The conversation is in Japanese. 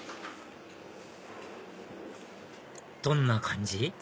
どんな感じ？